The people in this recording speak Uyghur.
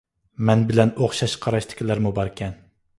مەن بىلەن ئوخشاش قاراشتىكىلەرمۇ باركەن.